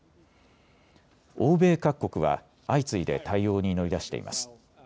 欧米各国は相次いで対応に乗り出しています。